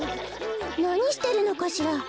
なにしてるのかしら？